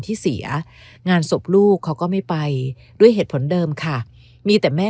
ที่เสียงานศพลูกเขาก็ไม่ไปด้วยเหตุผลเดิมค่ะมีแต่แม่